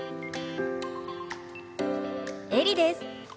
エリです！